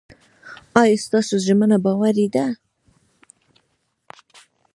ایا ستاسو ژمنه باوري ده؟